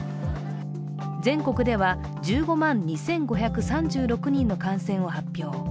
全国では１５万２５３６人の感染を発表。